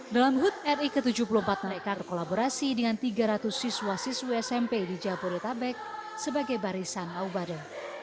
dalam hud ri ke tujuh puluh empat menaikkan kolaborasi dengan tiga ratus siswa siswa smp di jabodetabek sebagai barisan aubade